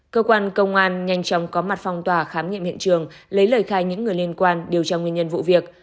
cơ quan công an nhanh chóng có mặt phong tỏa khám nghiệm hiện trường lấy lời khai những người liên quan điều tra nguyên nhân vụ việc